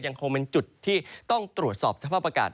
ยังคงเป็นจุดที่ต้องตรวจสอบสภาพอากาศ